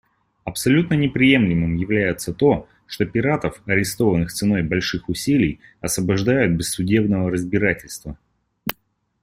Абсолютно неприемлемым является то, что пиратов, арестованных ценой больших усилий, освобождают без судебного разбирательства.